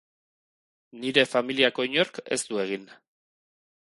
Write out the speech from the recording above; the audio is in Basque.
Nire familiako inork ez du egin.